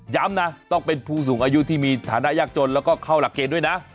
นะต้องเป็นผู้สูงอายุที่มีฐานะยากจนแล้วก็เข้าหลักเกณฑ์ด้วยนะ